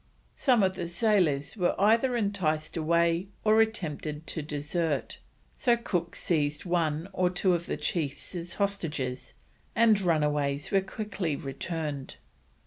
Some of the sailors were either enticed away, or attempted to desert, so Cook seized one or two of the chiefs as hostages, and the runaways were quickly returned.